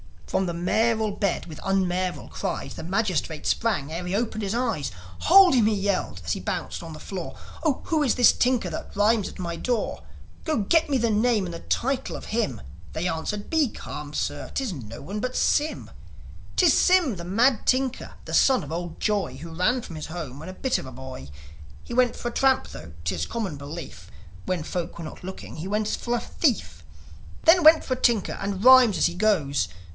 From the mayoral bed with unmayoral cries The magistrate sprang ere he'd opened his eyes. "Hold him!" he yelled, as he bounced on the floor. "Oh, who is this tinker that rhymes at my door? Go get me the name and the title of him 1" They answered. "Be calm, sir. 'Tis no one but Sym. 'Tis Sym, the mad tinker, the son of old Joi, Who ran from his home when a bit of a boy. He went for a tramp, tho' 'tis common belief, When folk were not looking he went for a thief; Then went for a tinker, and rhymes as he goes.